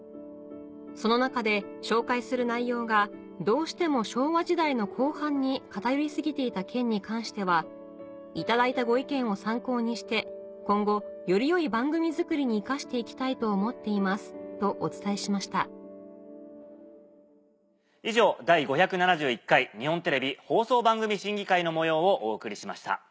「その中で紹介する内容がどうしても昭和時代の後半に偏り過ぎていた件に関してはいただいたご意見を参考にして今後より良い番組作りに生かしていきたいと思っています」とお伝えしました以上第５７１回日本テレビ放送番組審議会の模様をお送りしました。